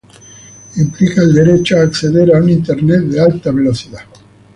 Implica el derecho a acceder a un Internet de alta velocidad.